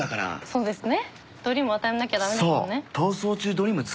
そうですね。